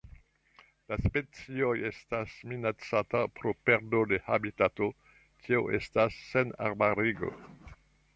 La specio estas minacata pro perdo de habitato tio estas senarbarigo.